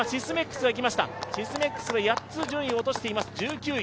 シスメックスが８つじゅんいを落としています、１９位。